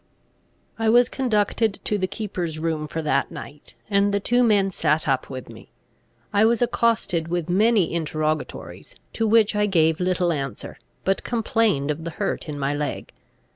I was conducted to the keeper's room for that night, and the two men sat up with me. I was accosted with many interrogatories, to which I gave little answer, but complained of the hurt in my leg.